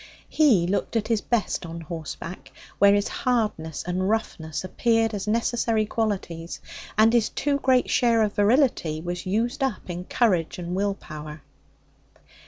He looked at his best on horse back, where his hardness and roughness appeared as necessary qualities, and his too great share of virility was used up in courage and will power.